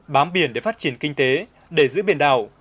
bám biển để phát triển kinh tế để giữ biển đảo